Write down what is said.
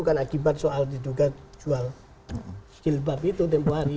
kan akibat soal diduga jual gilbab itu tempoh hari